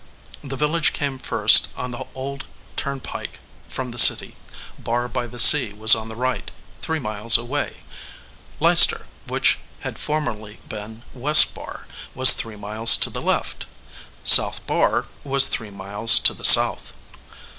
The village came first on the old turnpike from the city ; Barr by the Sea was on the right, three miles away; Leicester, which had formerly been West Barr, was three miles to the left; South Barr was three miles to the south.